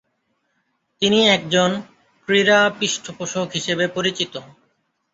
তিনি একজন ক্রীড়া পৃষ্ঠপোষক হিসেবে পরিচিত।